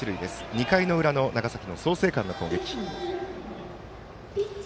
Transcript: ２回の裏の長崎の創成館の攻撃。